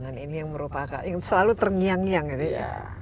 dan ini yang merupakan yang selalu terngiang ngiang ya